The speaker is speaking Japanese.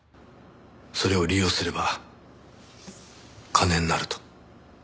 それを利用すれば金になると。